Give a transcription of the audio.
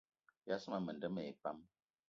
Yas ma menda mayi pam